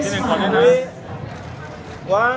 สโลแมคริปราบาล